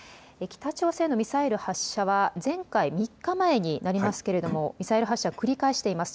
北朝鮮のミサイル発射は前回３日前になりますけれどもミサイル発射を繰り返しています。